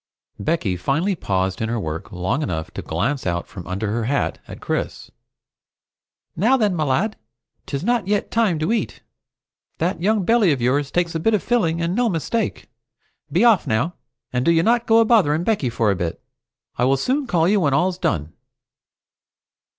Becky finally paused in her work long enough to glance out from under her hat at Chris. "Now then, me lad! 'Tis not yet time to eat. That young belly of yours takes a bit of filling, and no mistake! Be off now, and do you not go a bothering Becky for a bit. I will soon call you when all's done."